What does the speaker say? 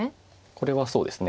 これはそうですね。